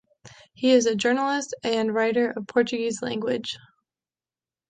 He is a journalist and writer of Portuguese language.